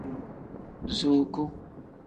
Zuuku.